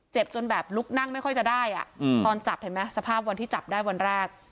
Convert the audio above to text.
จนแบบลุกนั่งไม่ค่อยจะได้อ่ะตอนจับเห็นไหมสภาพวันที่จับได้วันแรก